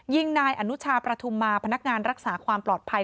ยิงนายอนุชาประทุมมาพนักงานรักษาความปลอดภัย